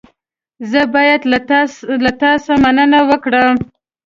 زه باید له تاسې مننه وکړم.